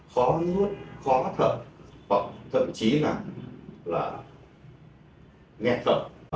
có cảm giác là khó nuốt khó thở hoặc thậm chí là nghe thở